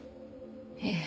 ええ。